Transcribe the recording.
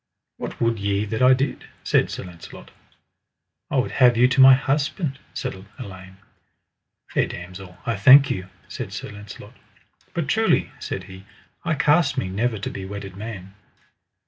What would ye that I did? said Sir Launcelot. I would have you to my husband, said Elaine. Fair damosel, I thank you, said Sir Launcelot, but truly, said he, I cast me never to be wedded man.